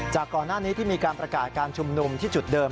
ก่อนหน้านี้ที่มีการประกาศการชุมนุมที่จุดเดิม